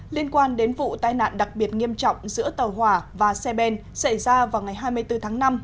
liên quan đến vụ tai nạn đặc biệt nghiêm trọng giữa tàu hỏa và xe ben xảy ra vào ngày hai mươi bốn tháng năm